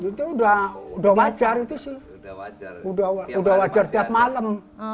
itu udah wajar itu sih udah wajar tiap malam